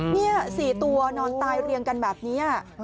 นี่๔ตัวนอนตายเรียงกันแบบนี้